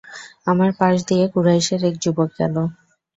আমার পাশ দিয়ে কুরাইশের এক যুবক গেল।